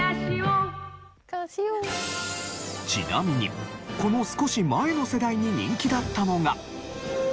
ちなみにこの少し前の世代に人気だったのが。